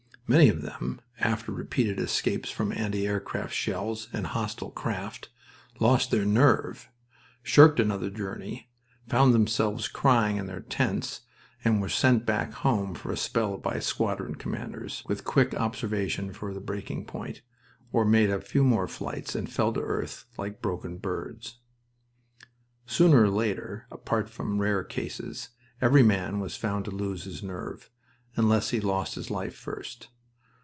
Many of them, after repeated escapes from anti aircraft shells and hostile craft, lost their nerve, shirked another journey, found themselves crying in their tents, and were sent back home for a spell by squadron commanders, with quick observation for the breaking point; or made a few more flights and fell to earth like broken birds. Sooner or later, apart from rare cases, every man was found to lose his nerve, unless he lost his life first.